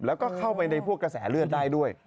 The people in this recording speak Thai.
แล้วก็เข้าไปในพวกกระแสเลือดได้ด้วย